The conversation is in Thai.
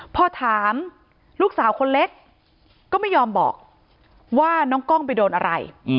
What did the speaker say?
พอถามลูกสาวคนเล็กก็ไม่ยอมบอกว่าน้องกล้องไปโดนอะไร